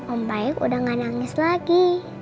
om baik udah gak nyangis lagi